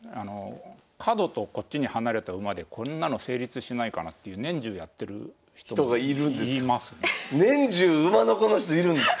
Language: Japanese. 角とこっちに離れた馬でこんなの成立しないかなっていう人がいるんですか？